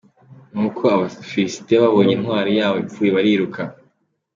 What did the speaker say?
Nuko Abafilisitiya babonye intwari yabo ipfuye bariruka.